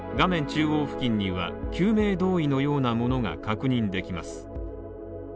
中央付近には救命胴衣のようなものが確認できます。